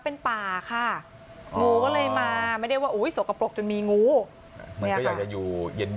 เป็นป่าค่ะงูก็เลยมาไม่ได้ว่าโสกปลกจนมีงูอยากอยู่